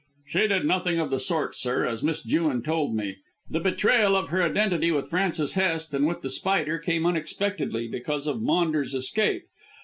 "She did nothing of the sort, sir, as Miss Jewin told me. The betrayal of her identity with Francis Hest and with The Spider came unexpectedly because of Maunders' escape.